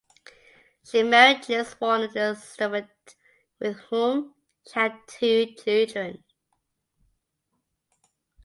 She married James Warner Sturdevant with whom she had two children.